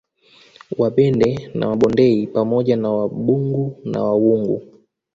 Wabende na Wabondei pamoja na Wabungu au Wawungu